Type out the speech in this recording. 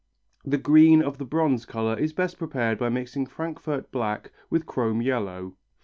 The green of the bronze colour is best prepared by mixing Frankfort black with chrome yellow.